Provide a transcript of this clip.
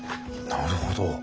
なるほど。